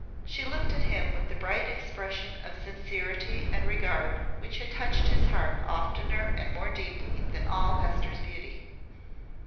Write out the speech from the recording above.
She looked at him with the bright expression of sincerity and regard which had touched his heart oftener and more deeply than all Hester's beauty.